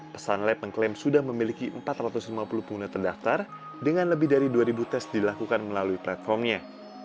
pesan lab mengklaim sudah memiliki empat ratus lima puluh pengguna terdaftar dengan lebih dari dua tes dilakukan melalui platformnya